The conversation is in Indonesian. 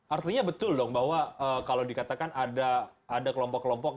artinya betul dong bahwa kalau dikatakan ada kelompok kelompok